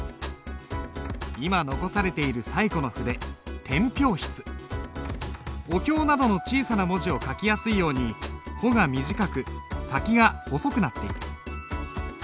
今残されている最古の筆お経などの小さな文字を書きやすいように穂が短く先が細くなっている。